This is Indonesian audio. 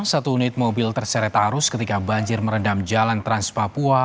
satu unit mobil terseret arus ketika banjir merendam jalan trans papua